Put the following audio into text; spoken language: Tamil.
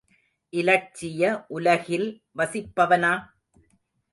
இலட்சிய உலகில் வசிப்பவனா?